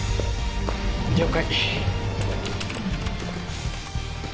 了解